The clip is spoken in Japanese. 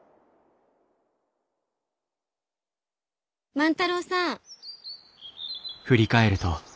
万太郎さん。